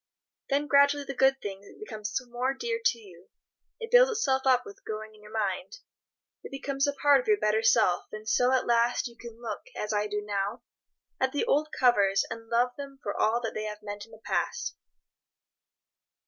Then gradually the good thing becomes more dear to you; it builds itself up with your growing mind; it becomes a part of your better self, and so, at last, you can look, as I do now, at the old covers and love them for all that they have meant in the past.